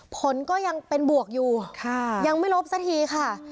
ผลก็ยังเป็นบวกอยู่ยังไม่ลบสักทีค่ะ